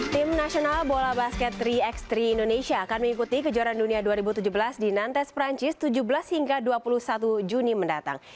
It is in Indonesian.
tim nasional bola basket tiga x tiga indonesia akan mengikuti kejuaraan dunia dua ribu tujuh belas di nantes perancis tujuh belas hingga dua puluh satu juni mendatang